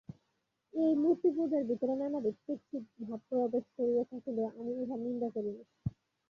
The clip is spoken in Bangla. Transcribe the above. এই মূর্তিপূজার ভিতরে নানাবিধ কুৎসিত ভাব প্রবেশ করিয়া থাকিলেও আমি উহার নিন্দা করি না।